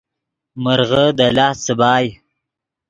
مرغے دے لاست څیبائے